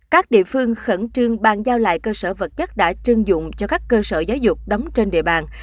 các địa phương khẩn trương bàn giao lại cơ sở vật chất đã trưng dụng cho các cơ sở giáo dục đóng trên địa bàn